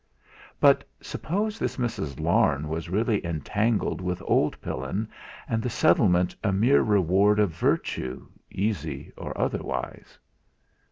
But suppose this Mrs. Larne was really entangled with old Pillin, and the settlement a mere reward of virtue, easy or otherwise.